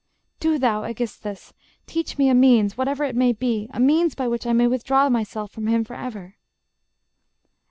Do thou, Aegisthus, Teach me a means, whatever it may be, A means by which I may withdraw myself From him forever.